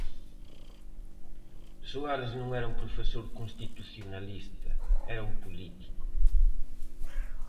Suárez non era un profesor constitucionalista, era un político.